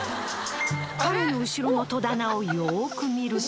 彼の後ろの戸棚をよく見ると。